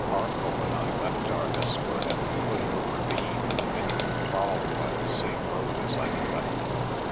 Arcoll and I left our escort at the foot of a ravine and entered the kraal by the same road as I had left it.